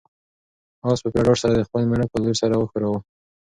آس په پوره ډاډ سره د خپل مېړه په لور سر وښوراوه.